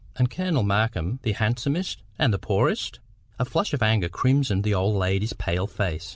and Colonel Markham the handsomest and the poorest?" A flush of anger crimsoned the old lady's pale face.